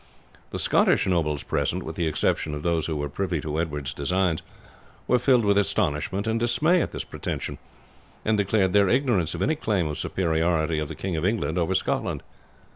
The Scottish nobles present, with the exception of those who were privy to Edward's designs, were filled with astonishment and dismay at this pretension, and declared their ignorance of any claim of superiority of the King of England over Scotland.